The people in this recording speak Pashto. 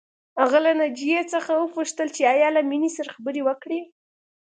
هغه له ناجیې څخه وپوښتل چې ایا له مينې سره خبرې وکړې